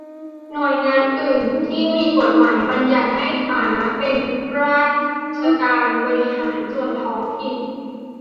หน่วยงานอื่นที่มีกฎหมายบัญญัติให้มีฐานะเป็นราชการบริหารส่วนท้องถิ่น